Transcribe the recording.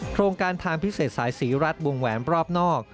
โครงการทางพิเศษสายศรีรัฐวงแหวนรอบนอก